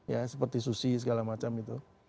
ya seperti susi segala macam itu